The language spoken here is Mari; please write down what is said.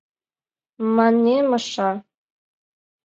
— мане Маша.